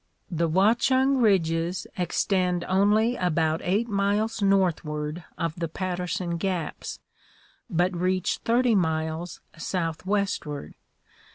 The Watchung ridges extend only about eight miles northward of the Paterson gaps, but reach thirty miles southwestward.